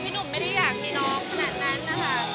พี่หนุ่มไม่ได้อยากมีน้องขนาดนั้น